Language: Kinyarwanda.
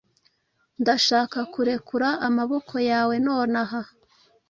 Ndashaka kurekura amaboko yawe nonaha.